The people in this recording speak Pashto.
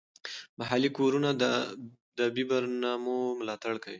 محلي کورونه د ادبي برنامو ملاتړ کوي.